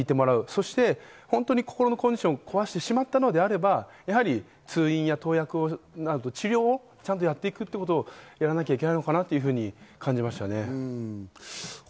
そして本当に心のコンディションを壊してしまったのであれば、通院や投薬、治療をちゃんとやっていくというのをやらなきゃいけないのかなと感じましたね。